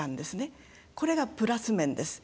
これがプラス面です。